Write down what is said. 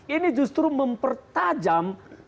ini justru mempertajam perbedaan dengan radikalisme